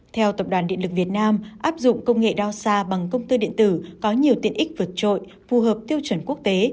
theo tập đoàn điện lực việt nam áp dụng công nghệ đo xa bằng công tơ điện tử có nhiều tiện ích vượt trội phù hợp tiêu chuẩn quốc tế